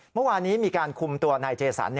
เมื่อวานนี้มีการคุมตัวนายเจสัน